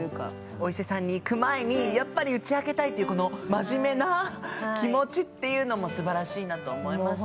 お伊勢さんに行く前にやっぱり打ち明けたいっていうこの真面目な気持ちっていうのもすばらしいなと思いましたし。